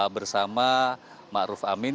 bersama ma'ruf amin